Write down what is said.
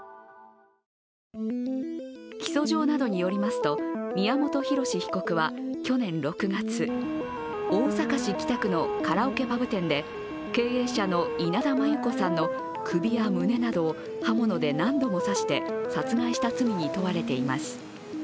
起訴状などによりますと、宮本浩志被告は去年６月、大阪市北区のカラオケパブ店で経営者の稲田真優子さんの首や胸などを刃物で何度も刺して殺害した罪に問われています。